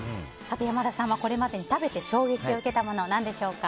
山田さんはこれまでに食べて衝撃を受けたものは何でしょうか？